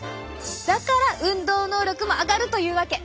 だから運動能力も上がるというわけ。